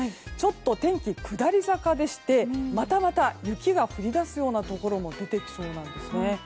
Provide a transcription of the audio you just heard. ちょっと天気、下り坂でしてまたまた雪が降り出すようなところも出てきそうなんです。